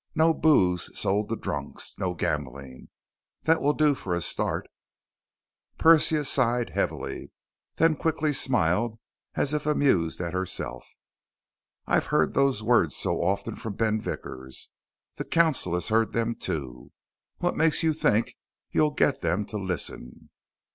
No booze sold to drunks. No gambling. That will do for a start." Persia sighed heavily, then quickly smiled as if amused at herself. "I've heard those words so often from Ben Vickers. The council has heard them, too. What makes you think you'll get them to listen?"